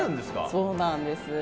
そうなんです。